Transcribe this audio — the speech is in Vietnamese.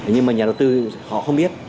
nhưng mà nhà đầu tư họ không biết